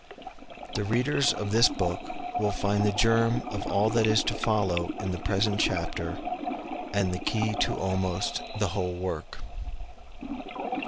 The readers of this book will find the germ of all that is to follow in the present chapter, and the key to almost the whole work.